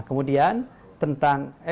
nah kemudian tentang action yang citas